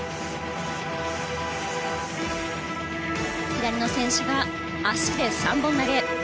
左の選手が足で３本投げ。